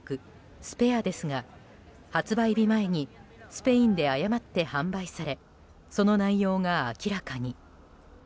「スペア」ですが発売日前にスペインで誤って販売されその内容が明らかに。